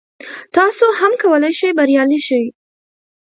تاسو هم کولای شئ بریالي شئ.